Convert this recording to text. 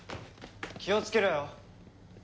気をつけろよ！